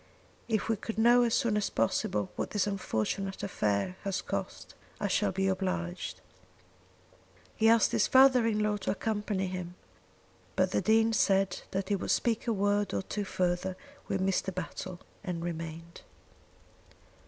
If we could know as soon as possible what this unfortunate affair has cost, I shall be obliged." He asked his father in law to accompany him, but the Dean said that he would speak a word or two further to Mr. Battle and remained.